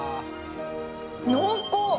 濃厚。